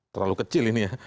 terlalu kecil ini ya